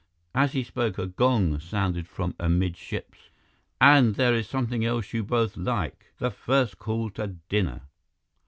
As he spoke, a gong sounded from amidships. "And there is something else you both like, the first call to dinner.